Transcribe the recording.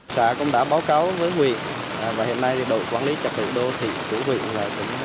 xã cũng đã báo cáo với huyện và hiện nay đội quản lý trạc thủ đô thị của huyện